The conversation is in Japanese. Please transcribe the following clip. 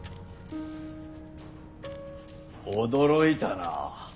驚いたな。